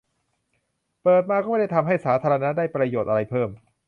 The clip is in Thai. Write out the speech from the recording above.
- เปิดมาก็ไม่ได้ทำให้สาธารณะได้ประโยชน์อะไรเพิ่ม